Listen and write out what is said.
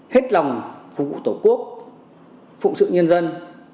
hết lòng phụ tổ quốc phụ sự nhân dân